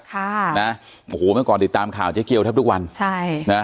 ค่ะนะโอ้โหเมื่อก่อนติดตามข่าวเจ๊เกียวแทบทุกวันใช่นะ